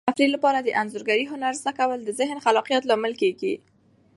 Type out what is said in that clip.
د تفریح لپاره د انځورګرۍ هنر زده کول د ذهن د خلاقیت لامل کیږي.